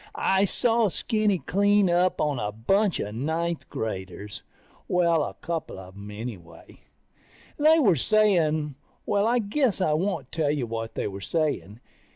I saw Skinny clean up on a bunch of ninth graders ... Well, a couple of them anyway. They were saying ... Well, I guess I won't tell you what they were saying.